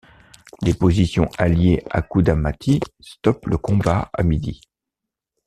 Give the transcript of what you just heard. Les positions alliées à Kudamati stoppent le combat à midi.